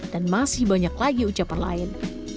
masih banyak lagi ucapan lain